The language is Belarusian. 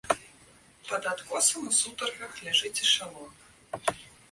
Пад адкосам у сутаргах ляжыць эшалон!